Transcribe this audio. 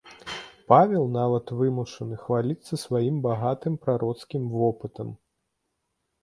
Павел нават вымушаны хваліцца сваім багатым прароцкім вопытам.